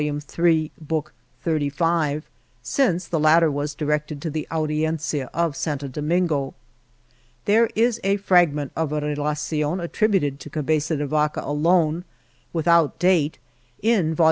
Ill, Lib. XXXV), since the latter was directed to the Audiencia of Santo Domingo. There is a fragment of a Relation attributed to Cabeza de Vaca alone, without date, in Vol.